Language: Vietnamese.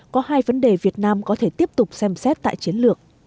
có hai vấn đề việt nam có thể tiếp tục xem xét tại chiến lược